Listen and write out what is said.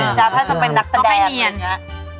ถ้าด้วยเป็นนักแสดง